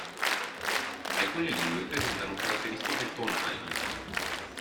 Alcune lingue presentano caratteristiche tonali.